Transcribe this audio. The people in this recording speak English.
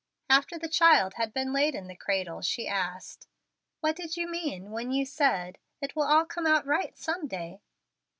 After the child had been laid in the cradle, she asked, "What did you mean when you said, 'It will all come right some day'?"